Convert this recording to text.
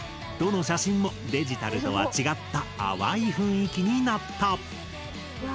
どの写真もデジタルとは違った淡い雰囲気になった。